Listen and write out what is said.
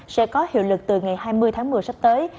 sẽ có hiệu lực từ ngày hai mươi tháng một mươi sắp tới